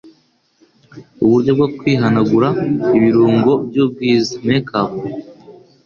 Uburyo bwo kwihanagura ibirungo by'ubwiza''make up'